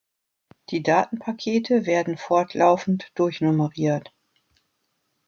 Die Datenpakete werden fortlaufend durchnummeriert.